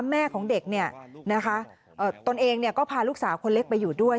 แม่ของเด็กตนเองก็พาลูกสาวคนเล็กไปอยู่ด้วย